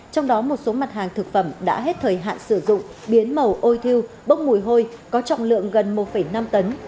trong đó một số mặt hàng thực phẩm đã hết thời hạn sử dụng biến màu ôi thiêu bốc mùi hôi có trọng lượng gần một năm tấn